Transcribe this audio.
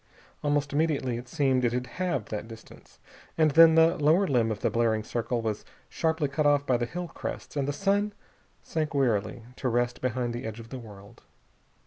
Almost immediately, it seemed, it had halved that distance. And then the lower limb of the blaring circle was sharply cut off by the hill crests and the sun sank wearily to rest behind the edge of the world.